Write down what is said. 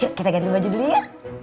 yuk kita ganti baju dulu ya